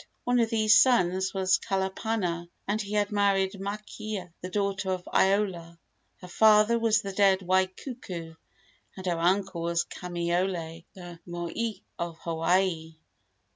One of these sons was Kalapana, and he had married Makea, the daughter of Iola. Her father was the dead Waikuku, and her uncle was Kamaiole, the moi of Hawaii.